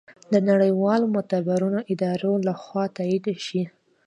د نړیوالو معتبرو ادارو لخوا تائید شي